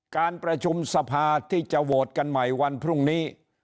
การประชุมสภาที่จะโหวตกันใหม่วันพรุ่งนี้